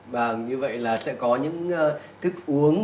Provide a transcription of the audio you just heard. vâng như vậy là sẽ có những thức uống